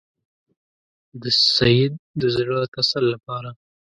د سید د زړه تسل لپاره.